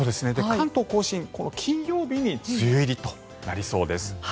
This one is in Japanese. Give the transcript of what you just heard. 関東・甲信、金曜日に梅雨入りとなりそうです。